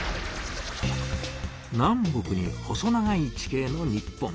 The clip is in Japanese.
南北に細長い地形の日本。